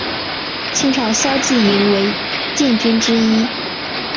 清朝骁骑营为禁军之一。